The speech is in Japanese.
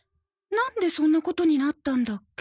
なんでそんなことになったんだっけ？